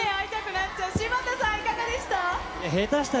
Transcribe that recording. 柴田さん、いかがでした？